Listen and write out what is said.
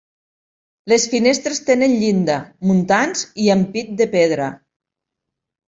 Les finestres tenen llinda, muntants i ampit de pedra.